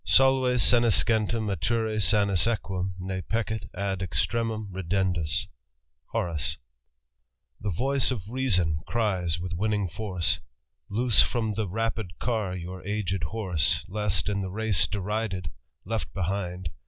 Solve senescentem mature sanus eguum, ne Peccet ad extremum ridendus*^ HOR« ''The voice of reason cries with winning force. Loose from the rapid car your aged horse, Lest, in the race derided, left behind.